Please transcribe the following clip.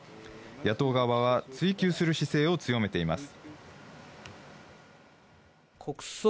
野党側は追及する姿勢を強めています。